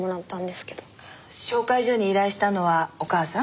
紹介所に依頼したのはお母さん？